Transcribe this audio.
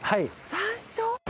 山椒？